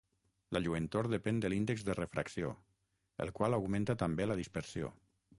La lluentor depèn de l'índex de refracció, el qual augmenta també la dispersió.